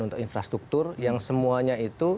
untuk infrastruktur yang semuanya itu